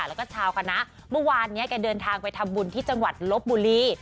แล้วก็ชาวคณะเมื่อวานนี้แกเดินทางไปทำบุญที่จังหวัดลบบุรี